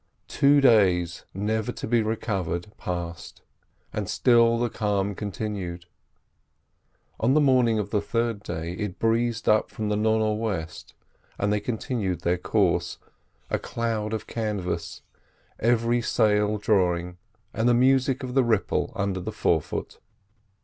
Two days, never to be recovered, passed, and still the calm continued. On the morning of the third day it breezed up from the nor' nor'west, and they continued their course, a cloud of canvas, every sail drawing, and the music of the ripple under the forefoot.